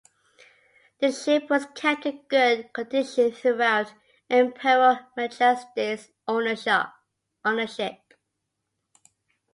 The ship was kept in good condition throughout Imperial Majesty's ownership.